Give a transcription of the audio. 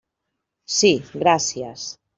Sí, gràcies.